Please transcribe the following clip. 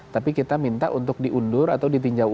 tapi kita minta untuk diundur atau ditinjau ulang